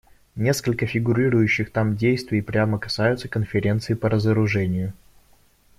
Несколько фигурирующих там действий прямо касаются Конференции по разоружению.